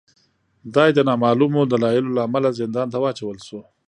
دای د نامعلومو دلایلو له امله زندان ته واچول شو.